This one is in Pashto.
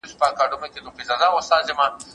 هیڅ کورنۍ باید د غربت له امله خپل اولاد ونه پلوري.